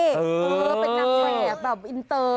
อื้อเป็นนางแหงแบบอินเตอร์